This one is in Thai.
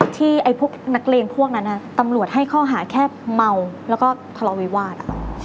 ที่พวกนักเลงพวกนั้นตำรวจให้ข้อหาแค่เมาแล้วก็ทะเลาวิวาส